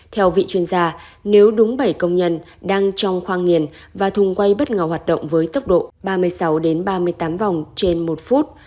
theo vị chuyên gia nếu đúng bảy công nhân đang trong khoang nghiền và thùng quay bất ngờ hoạt động với tốc độ ba mươi sáu ba mươi tám vòng trên một phút